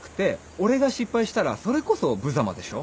俺が失敗したらそれこそぶざまでしょ？